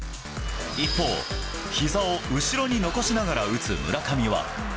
一方、ひざを後ろに残しながら打つ村上は。